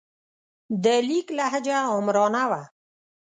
د لیک لهجه آمرانه وه.